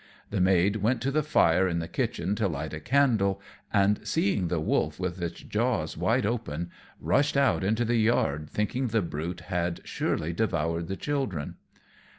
The maid went to the fire in the kitchen to light a candle, and seeing the wolf with its jaws wide open, rushed out into the yard, thinking the brute had surely devoured the children.